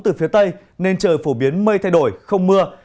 từ phía tây nên trời phổ biến mây thay đổi không mưa